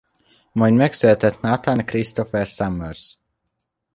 Majd megszületett Nathan Christopher Summers.